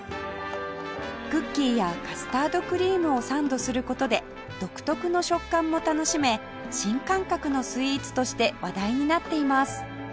クッキーやカスタードクリームをサンドする事で独特の食感も楽しめ新感覚のスイーツとして話題になっています